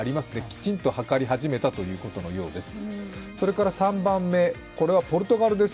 きちんとはかり始めたということのようです。